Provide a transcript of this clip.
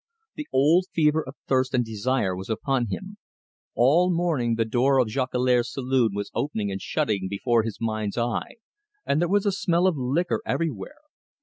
The old fever of thirst and desire was upon him. All morning the door of Jolicoeur's saloon was opening and shutting before his mind's eye, and there was a smell of liquor everywhere.